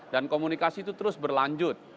dan komunikasi itu terus berlanjut